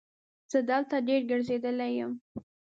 زه دلته ډېر ګرځېدلی یم.